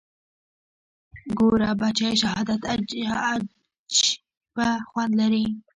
ګوره بچى شهادت عجيبه خوند لري.